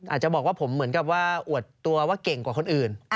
อาจจะบอกว่าผมเหมือนกับว่าอวดตัวว่าเก่งกว่าคนอื่น